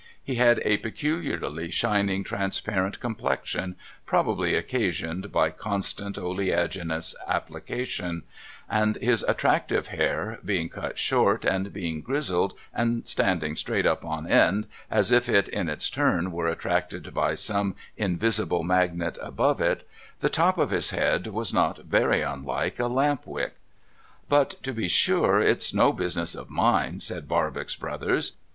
He had a peculiarly shining, transparent complexion, probably occasioned by constant oleaginous application ; and his attractive hair, being cut short, and being grizzled, and standing straight up on end as if it in its turn were attracted by some invisible magnet above it, the top of his head was not very unlike a lamp wick. ' But, to be sure, it's no business of mine,' said Barbox Brothers.